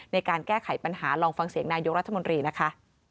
ในการแก้ไขปัญหาลองฟังเสียงนายกรัฐมนตรีนะคะ